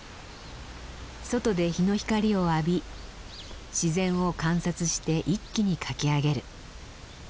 外で日の光を浴び自然を観察して一気に描き上げる。